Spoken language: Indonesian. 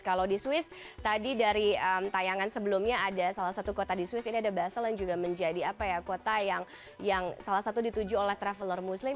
kalau di swiss tadi dari tayangan sebelumnya ada salah satu kota di swiss ini ada basel yang juga menjadi kota yang salah satu dituju oleh traveler muslim